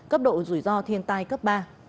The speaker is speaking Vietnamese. cấp độ rủi ro thiên tai cấp ba